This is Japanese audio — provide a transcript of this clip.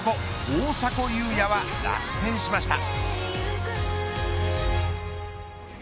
大迫勇也は落選しました。